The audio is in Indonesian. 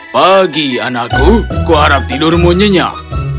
pagi anakku kuharap tidurmu nyenyak